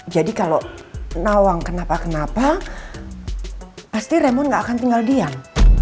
jadi kalau nawang kenapa kenapa pasti raymond gak akan tinggal diam